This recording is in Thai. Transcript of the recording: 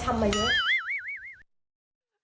เหมือนเดิม